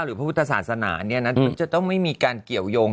พระพุทธศาสนาเนี่ยนะจะต้องไม่มีการเกี่ยวยง